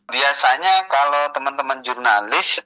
biasanya kalau teman teman jurnalis